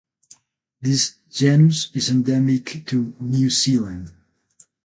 This genus is endemic to New Zealand.